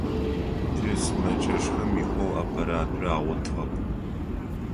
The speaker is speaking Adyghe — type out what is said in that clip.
Тисымэджэщхэм икъоу аппаратурэ агъотыгъэп.